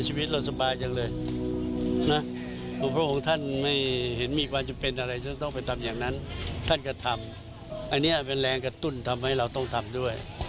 ชีวิตเราสบายจังเลยนะหลวงพระองค์ท่านไม่เห็นมีความจำเป็นอะไรจะต้องไปทำอย่างนั้นท่านก็ทำอันนี้เป็นแรงกระตุ้นทำให้เราต้องทำด้วย